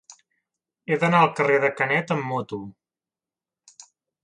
He d'anar al carrer de Canet amb moto.